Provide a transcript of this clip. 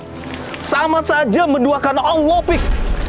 itu sama saja menduakan allah opik